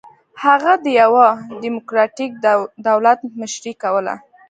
هغه د یوه ډیموکراټیک دولت مشري کوله.